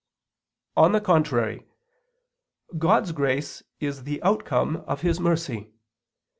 On the contrary, God's grace is the outcome of His mercy.